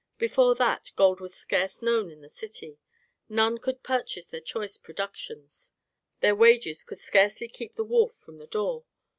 Before that gold was scarce known in the city, none could purchase their choice productions, their wages would scarce keep the wolf from the door.